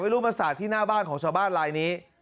ไม่รู้มาสาดที่หน้าบ้านของชาวบ้านลายนี้